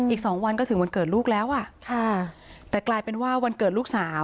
อีกสองวันก็ถึงวันเกิดลูกแล้วอ่ะค่ะแต่กลายเป็นว่าวันเกิดลูกสาว